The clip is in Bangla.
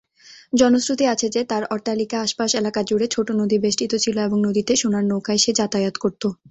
জনশ্রুতি আছে যে, তার অট্টালিকা আশপাশ এলাকা জুড়ে ছোট নদী বেষ্টিত ছিল এবং নদীতে সোনার নৌকায় সে যাতায়াত করতো।